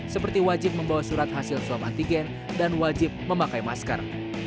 seperti wajib membawa surat hasil swab antigen dan wajib memakai masker